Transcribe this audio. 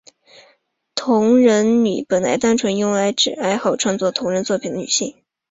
同人女本来单纯用来指爱好创作同人作品的女性。